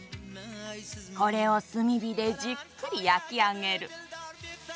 これを炭火でじっくり焼き上げる。